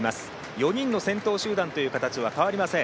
４人の先頭集団という形は変わりません。